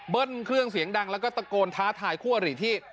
เครื่องเสียงดังแล้วก็ตะโกนท้าทายคู่อริที่